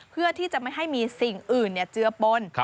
เพื่อที่จะไม่ให้มีสิ่งอื่นเจือปน